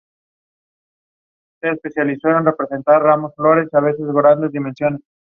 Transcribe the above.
Los partidos fueron jugados en la ciudad de Medellín.